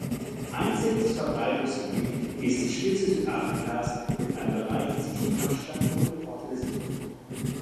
Einziges Verbreitungsgebiet ist die Spitze Südafrikas mit einem Bereich zwischen Kapstadt und Port Elizabeth.